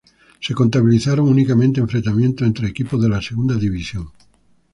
Se contabilizaron únicamente enfrentamientos entre equipos de la Segunda División.